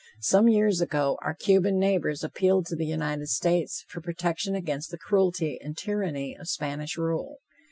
Some years ago our Cuban neighbors appealed to the United States for protection against the cruelty and tyranny of Spanish rule.